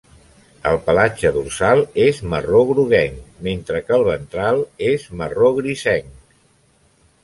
El pelatge dorsal és marró groguenc, mentre que el ventral és marró grisenc.